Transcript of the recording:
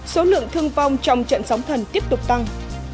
số lượng thương vong trong trận sóng thần tiếp tục tăng